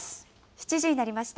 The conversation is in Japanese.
７時になりました。